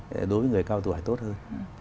đối với người cao tuổi tốt hơn